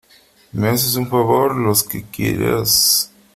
¿ me haces un favor ? los que quieras .